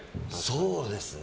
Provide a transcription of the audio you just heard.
そうですね。